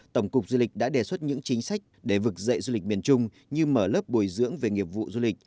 tổng cục du lịch đã đề xuất những chính sách để vực dậy du lịch miền trung như mở lớp bồi dưỡng về nghiệp vụ du lịch